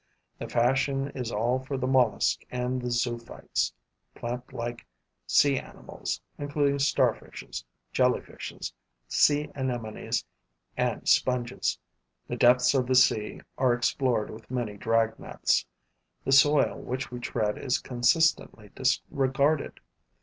The fashion is all for the Mollusk and the Zoophytes [plant like sea animals, including starfishes, jellyfishes, sea anemones and sponges]. The depths of the sea are explored with many drag nets; the soil which we tread is consistently disregarded.